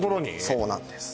そうなんです